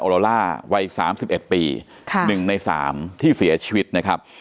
ออโลล่าวัยสามสิบเอ็ดปีค่ะหนึ่งในสามที่เสียชีวิตนะครับ